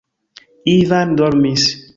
Ivan dormis.